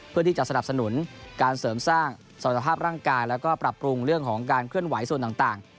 สนับสนุนการเสริมสร้างสมรรถภาพร่างกายแล้วก็ปรับปรุงเรื่องของการเคลื่อนไหวส่วนต่าง